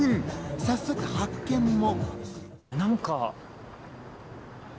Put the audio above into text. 早速発見も。